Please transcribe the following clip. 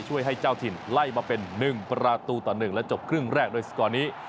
ให้เจ้าถิ่นไล่มาเป็น๑ประตูต่อ๑และจบครึ่งแรกโดยสกอร์นี้